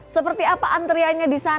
seperti apa antriannya di sana